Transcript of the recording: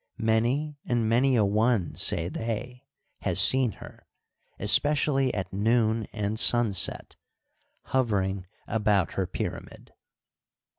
Many and many a one, say they, has seen her, especially at noon and sunset, hovering about her pyramid.